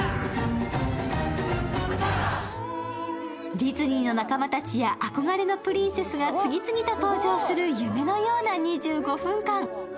ディズニーの仲間たちがあこがれのプリンセスたちが次々と登場する夢のような２５分間。